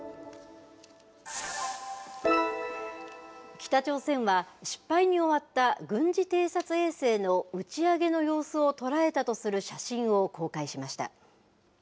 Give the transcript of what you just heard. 北朝鮮は失敗に終わった軍事偵察衛星の打ち上げの様子を捉えたとする写真を公開しました。